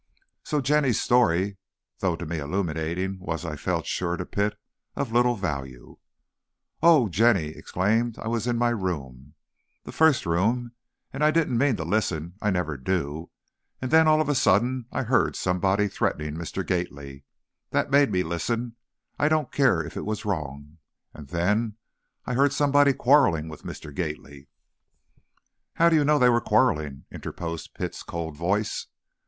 So Jenny's story, though to me illuminating, was, I felt sure, to Pitt, of little value. "Oh," Jenny exclaimed, "I was in my room, the first room, and I didn't mean to listen, I never do! and then, all of a sudden, I heard somebody threatening Mr. Gately! That made me listen, I don't care if it was wrong and then, I heard somebody quarreling with Mr. Gately." "How do you know they were quarreling?" interposed Pitt's cold voice.